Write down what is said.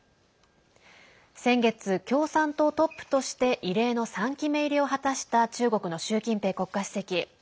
先月、共産党トップとして異例の３期目入りを果たした中国の習近平国家主席。